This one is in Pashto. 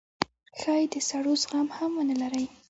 ښايي د سړو زغم هم ونه لرئ